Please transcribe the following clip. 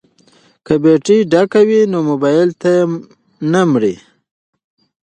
که بیټرۍ ډکه وي نو مبایل نه مري.